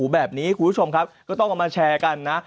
แบบนี้คุณผู้ชมครับก็ต้องเอามาแชร์กันนะ